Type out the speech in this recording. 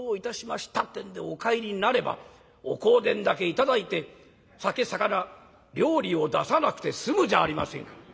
ってんでお帰りになればお香典だけ頂いて酒さかな料理を出さなくて済むじゃありませんか」。